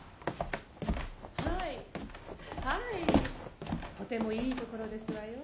はいはいとてもいいところですわよ。